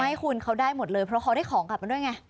ให้คุณเขาได้หมดเลยเพราะเขาได้ของกลับมาด้วยไง